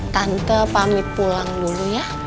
tante pamit pulang dulu ya